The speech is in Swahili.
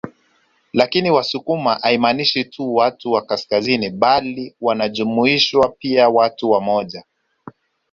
Lakini Wasukuma haimaanishi tu watu wa kaskazini bali wanajumuishwa pia watu wa moja